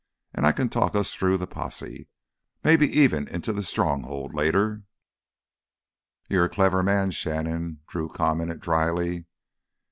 An' I can talk us through th' posses—maybe even into th' Stronghold later." "You're a clever man, Shannon," Drew commented dryly.